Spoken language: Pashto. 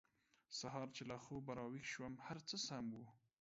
سهار چې له خوبه راویښ شوم هر څه سم وو